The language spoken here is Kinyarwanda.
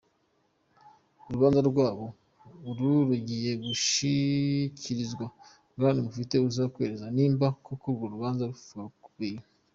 Urubanza rwabo ubu rugiye gushikirizwa Grand Mufti, azokwihweza nimba urwo rubanza rwo gupfa rukwiye.